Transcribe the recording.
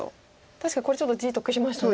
確かにこれちょっと地得しましたね。